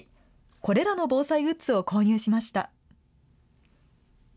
これらの防災グッズを購入しました。